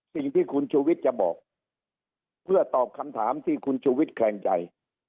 สิ่งที่คุณชูวิทย์จะบอกเพื่อตอบคำถามที่คุณชุวิตแคลงใจ